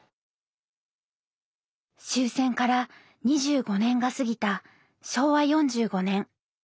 終戦から２５年が過ぎた昭和４５年。